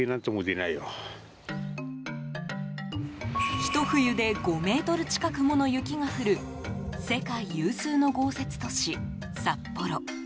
ひと冬で５ｍ近くもの雪が降る世界有数の豪雪都市・札幌。